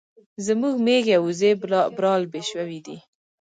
زموږ ميږي او وزې برالبې شوې دي